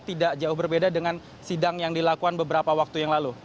tidak jauh berbeda dengan sidang yang dilakukan beberapa waktu yang lalu